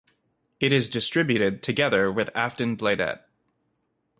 It is distributed together with "Aftonbladet".